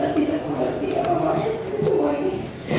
saya tidak mengerti apa maksudnya semua ini